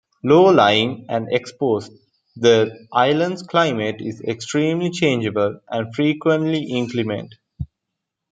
Low-lying and exposed, the island's climate is extremely changeable and frequently inclement.